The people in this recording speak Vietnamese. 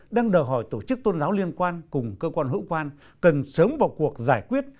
đang đòi hỏi tổ chức tôn giáo liên quan cùng cơ quan hữu quan cần sớm vào cuộc giải quyết